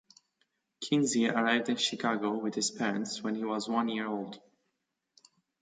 Kinzie arrived in Chicago with his parents when he was one year old.